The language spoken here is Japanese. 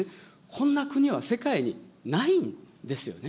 こんな国は世界にないんですよね。